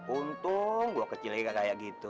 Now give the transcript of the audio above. untung gue kecil juga kayak gitu